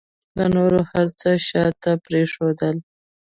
ده نور هر څه شاته پرېښودل.